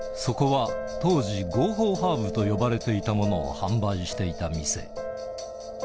そこは当時合法ハーブと呼ばれていたものを販売していた店